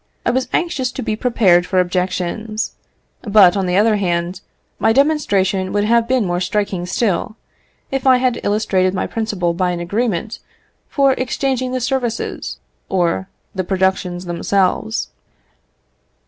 I was anxious to be prepared for objections; but, on the other hand, my demonstration would have been more striking still, if I had illustrated my principle by an agreement for exchanging the services or the productions themselves.